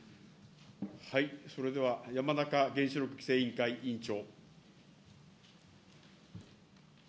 それでは山中原子力規制委員会委員長。